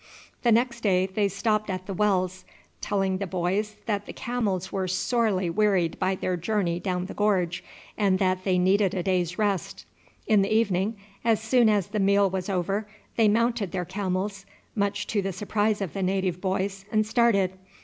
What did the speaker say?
The next day they stopped at the wells, telling the boys that the camels were sorely wearied by their journey down the gorge, and that they needed a day's rest. In the evening as soon as the meal was over they mounted their camels, much to the surprise of the native boys, and started.